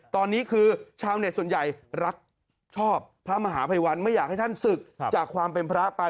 ตอนนี้คือชาวเน็ตส่วนใหญ่รักชอบพระมหาภัยวันไม่อยากให้ท่านศึกจากความเป็นพระไป